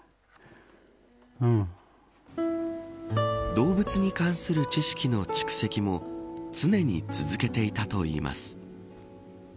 動物に関する知識の蓄積も常に続けていたといいます。